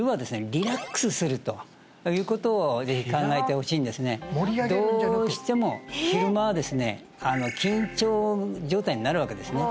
リラックスするということをぜひ考えてほしいんですねどうしても昼間はですね緊張状態になるわけですね